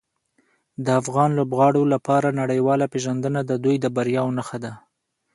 د افغان لوبغاړو لپاره نړیواله پیژندنه د دوی د بریاوو نښه ده.